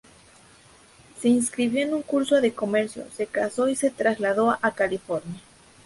Se inscribió en un curso de comercio, se casó y se trasladó a California.